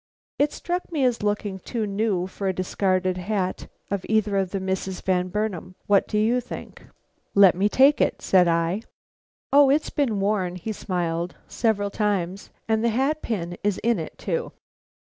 It struck me as looking too new for a discarded hat of either of the Misses Van Burnam. What do you think?" "Let me take it," said I. "O, it's been worn," he smiled, "several times. And the hat pin is in it, too."